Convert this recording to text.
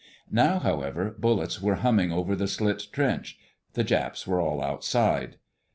Now, however, bullets were humming over the slit trench. The Japs were all outside.